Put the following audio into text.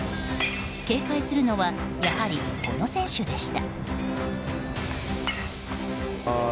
警戒するのはやはり、この選手でした。